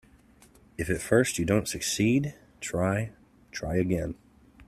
If at first you don't succeed, try, try again.